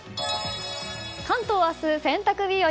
関東は明日、洗濯日和。